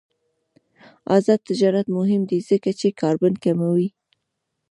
آزاد تجارت مهم دی ځکه چې کاربن کموي.